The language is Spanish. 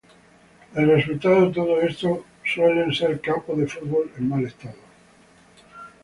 El resultado de todo esto suelen ser campos de fútbol en mal estado.